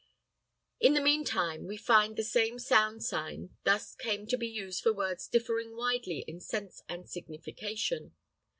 In the meantime, we find the same sound sign thus came to be used for words differing widely in sense and signification.